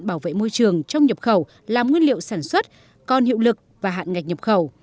bảo vệ môi trường trong nhập khẩu làm nguyên liệu sản xuất còn hiệu lực và hạn ngạch nhập khẩu